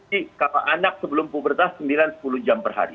ini kata anak sebelum puberta sembilan sepuluh jam per hari